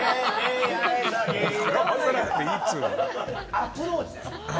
アプローチです。